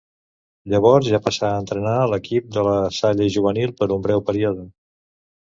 Llavors ja passà a entrenar l'equip de La Salle juvenil per un breu període.